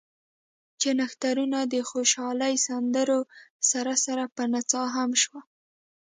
چې نښترونو د خوشالۍ سندرو سره سره پۀ نڅا هم شو ـ